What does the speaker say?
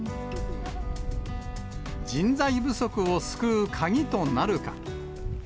人材不足を救う鍵となるか。